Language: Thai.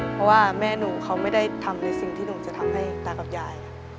เพราะว่าแม่หนูเขาไม่ได้ทำในสิ่งที่หนูจะทำให้ตากับยาย